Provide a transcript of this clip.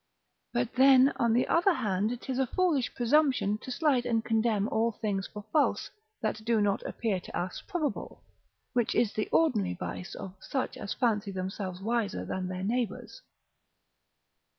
But then, on the other hand, 'tis a foolish presumption to slight and condemn all things for false that do not appear to us probable; which is the ordinary vice of such as fancy themselves wiser than their neighbours.